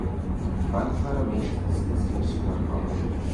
Fale claramente se você já estiver falando.